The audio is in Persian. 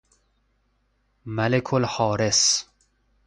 ملک الحارس